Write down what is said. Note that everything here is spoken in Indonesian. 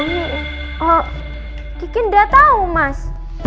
uja oh ki kan udah tau mas